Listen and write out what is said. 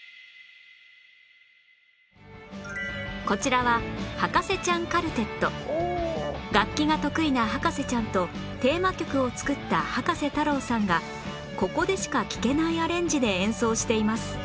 こちらは楽器が得意な博士ちゃんとテーマ曲を作った葉加瀬太郎さんがここでしか聞けないアレンジで演奏しています